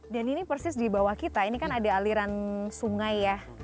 dan ini persis di bawah kita ini kan ada aliran sungai ya